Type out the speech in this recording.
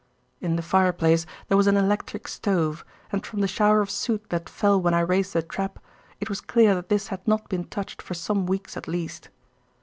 In the fireplace there was an electric stove, and from the shower of soot that fell when I raised the trap, it was clear that this had not been touched for some weeks at least.